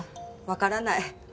わからない。